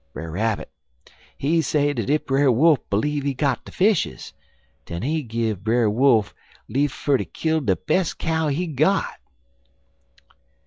Brer Rabbit, he say dat if Brer Wolf b'leeve he got de fishes, den he give Brer Wolf lief fer ter kill de bes' cow he got.